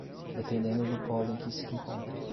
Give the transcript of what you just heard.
dependendo do polo em que se encontre.